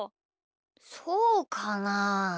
そうかな？